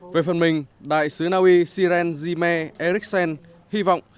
về phần mình đại sứ naui siren zime ericsen hy vọng